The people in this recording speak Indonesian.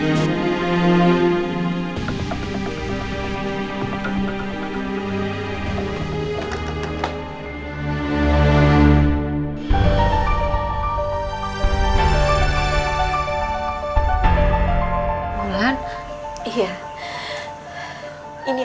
kamu sudah tidur tuh